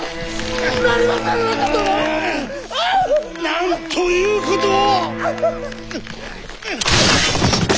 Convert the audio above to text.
なんということを！